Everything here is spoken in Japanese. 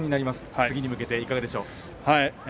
次に向けていかがでしょう。